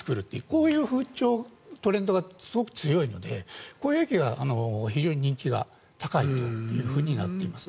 こういう風潮、トレンドがすごく強いのでこういう駅が非常に人気が高いというふうになっています。